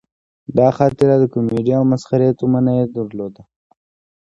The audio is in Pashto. دا خاطره د کومیډي او مسخرې تومنه یې درلوده.